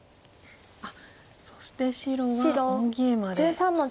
そして白は大ゲイマで。